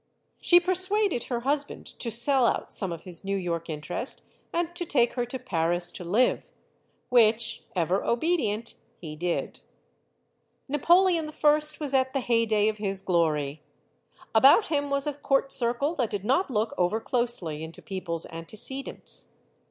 She per suaded her husband to sell out some of his New York interest and to take her to Paris to live. Which, ever obedient, he did. Napoleon I. was at the heyday of his glory. About him was a court circle that did not look overclosely into peoples* antecedents.